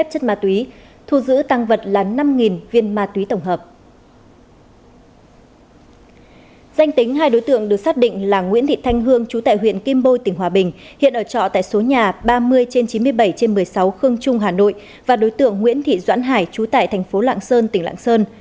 danh tính hai đối tượng được xác định là nguyễn thị thanh hương chú tại huyện kim bôi tỉnh hòa bình hiện ở trọ tại số nhà ba mươi trên chín mươi bảy trên một mươi sáu khương trung hà nội và đối tượng nguyễn thị doãn hải trú tại thành phố lạng sơn tỉnh lạng sơn